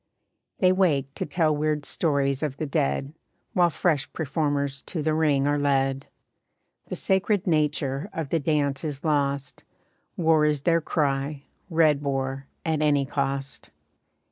They wake to tell weird stories of the dead, While fresh performers to the ring are led. The sacred nature of the dance is lost, War is their cry, red war, at any cost.